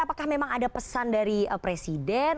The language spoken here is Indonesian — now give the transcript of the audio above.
apakah memang ada pesan dari presiden